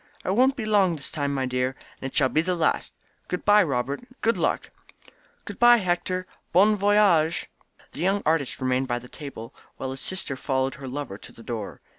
It won't be long this time, dear, and it shall be the last. Good bye, Robert! Good luck!" "Good bye, Hector! Bon voyage!" The young artist remained by the table, while his sister followed her lover to the door.